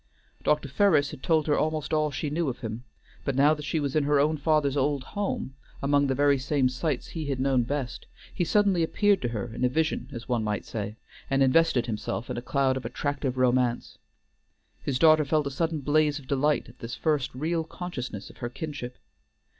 Dr. Ferris had told her almost all she knew of him, but now that she was in her own father's old home, among the very same sights he had known best, he suddenly appeared to her in a vision, as one might say, and invested himself in a cloud of attractive romance. His daughter felt a sudden blaze of delight at this first real consciousness of her kinship.